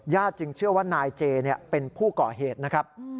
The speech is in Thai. จึงเชื่อว่านายเจเป็นผู้ก่อเหตุนะครับ